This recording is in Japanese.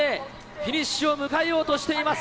フィニッシュを迎えようとしています。